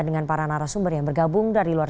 dengan para narasumber yang bergabung dari luar